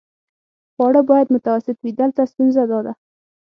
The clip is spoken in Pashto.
خواړه باید متوسط وي، دلته ستونزه داده.